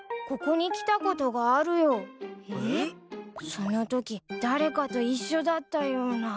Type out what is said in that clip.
そのとき誰かと一緒だったような。